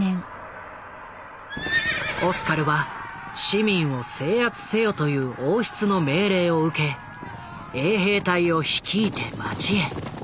オスカルは市民を制圧せよという王室の命令を受け衛兵隊を率いて街へ。